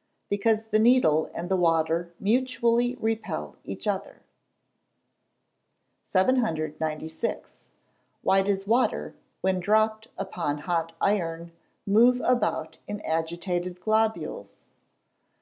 _ Because the needle and the water mutually repel each other. 796. _Why does water, when dropped upon hot iron, move about in agitated globules?